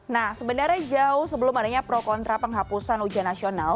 nah sebenarnya jauh sebelum adanya pro kontra penghapusan ujian nasional